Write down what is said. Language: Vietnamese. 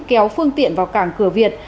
kéo phương tiện vào cảng cửa việt